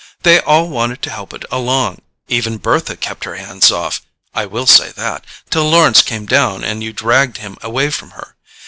They all wanted to help it along. Even Bertha kept her hands off—I will say that—till Lawrence came down and you dragged him away from her.